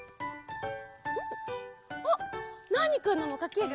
あっナーニくんのもかける？